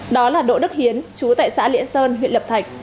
đó là đỗ đức hiến chú tại xã liễn sơn huyện lập thạch